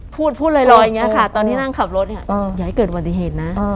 พูดรอยอย่างนี้ค่ะตอนที่นั่งขับรถอย่างนี้อย่าให้เกิดวัติเหตุนะ